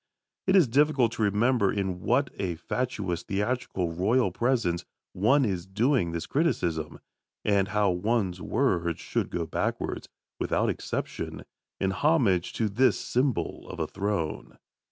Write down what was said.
It is difficult to remember in what a fatuous theatrical Royal Presence one is doing this criticism, and how one's words should go backwards, without exception, in homage to this symbol of a throne.